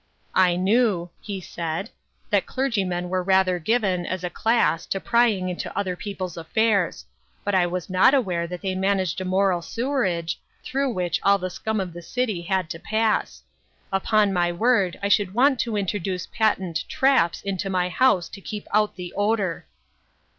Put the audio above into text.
" I knew, " he said, "that clergymen were rather given, as a class, to prying into other people's affairs ; but I was not aware that they managed a moral sewerage, through which all the scum of the city had to pass. Upon my word, I should want to introduce patent ' traps ' into my house to keep out the odor."